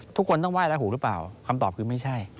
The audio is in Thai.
ทุกคนต้องไห้ละหูหรือเปล่าคำตอบคือไม่ใช่